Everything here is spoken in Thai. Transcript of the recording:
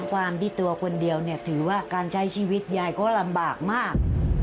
ความที่ตัวคนเดียวเนี่ยถือว่าการใช้ชีวิตยายก็ลำบากมาก